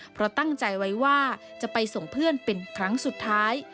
เพราะตั้งใจไว้ว่าจะไปส่งเพื่อนเป็นครั้งสุดท้าย